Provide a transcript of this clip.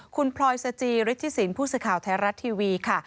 คุณพลอยสจิฤทธิสินผู้สื่อข่าวไทยรัฐทีวีค่ะ